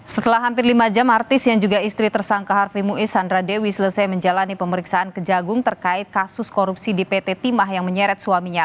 setelah hampir lima jam artis yang juga istri tersangka harfi muiz sandra dewi selesai menjalani pemeriksaan kejagung terkait kasus korupsi di pt timah yang menyeret suaminya